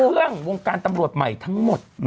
เรื่องวงการตำรวจใหม่ทั้งหมด